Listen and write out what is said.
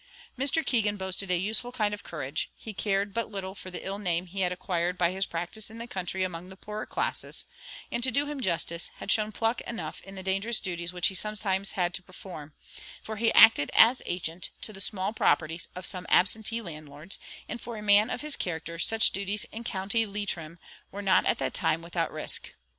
Mr. Keegan boasted a useful kind of courage; he cared but little for the ill name he had acquired by his practice in the country among the poorer classes, and to do him justice, had shown pluck enough in the dangerous duties which he sometimes had to perform; for he acted as agent to the small properties of some absentee landlords, and for a man of his character such duties in County Leitrim were not at that time without risk.